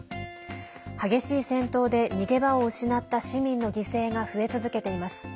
激しい戦闘で逃げ場を失った市民の犠牲が増え続けています。